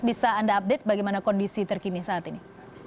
bisa anda update bagaimana kondisi terkini saat ini